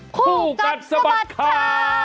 คู่กับสบัตรข่าว